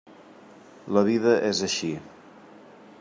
La vida és així.